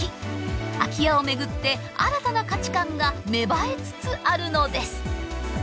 空き家を巡って新たな価値観が芽生えつつあるのです。